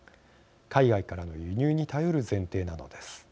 海外からの輸入に頼る前提なのです。